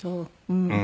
うん。